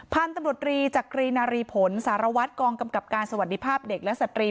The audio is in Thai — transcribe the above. พันธุ์ตำรวจรีจักรีนารีผลสารวัตรกองกำกับการสวัสดีภาพเด็กและสตรี